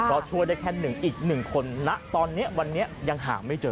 เพราะช่วยได้แค่หนึ่งอีก๑คนณตอนนี้วันนี้ยังหาไม่เจอ